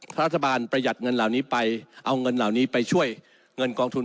รัฐบาลประหยัดเงินเหล่านี้ไปเอาเงินเหล่านี้ไปช่วยเงินกองทุน